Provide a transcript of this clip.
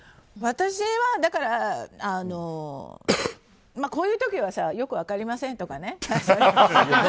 私は、こういう時はよく分かりませんとかね。